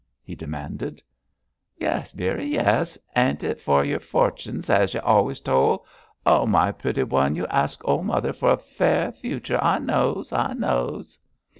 he demanded. 'Yes, dearie, yes! Ain't it yer forting as y' wan's tole? Oh, my pretty one, you asks ole mother for a fair future! I knows! I knows!'